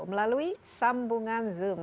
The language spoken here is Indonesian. melalui sambungan zoom